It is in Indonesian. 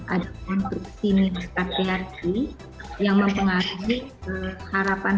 ada konstruksi katearki yang mempengaruhi harapan harapan